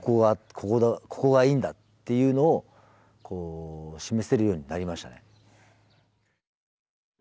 ここがいいんだっていうのを示せるようになりましたね。